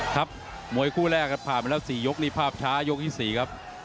ครับมวยคู่แรกครับผ่านมาแล้ว๔ยกนี่ภาพช้ายกที่๔ครับ